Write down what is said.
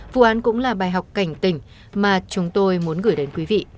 vụ án cũng là bài học cảnh tỉnh mà chúng tôi muốn gửi đến quý vị